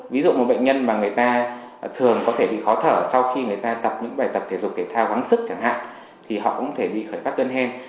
ví dụ một bệnh nhân mà người ta thường có thể bị khó thở sau khi người ta tập những bài tập thể dục thể thao gắn sức chẳng hạn thì họ cũng có thể bị khởi các cơn hen